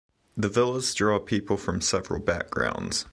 The villas draw people from several backgrounds.